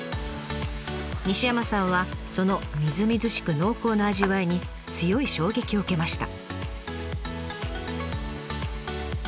西山さんはそのみずみずしく濃厚な味わいに強い衝撃を受けました。